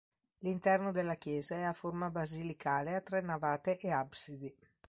L'interno della chiesa è a forma basilicale a tre navate e absidi.